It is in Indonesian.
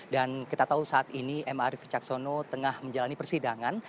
dan kita tahu saat ini m ariefi caksono tengah menjalani persidangan